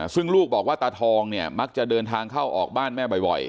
ซึ่งลูกบอกว่าตาทองเนี่ยมักจะเดินทางเข้าออกบ้านแม่บ่อย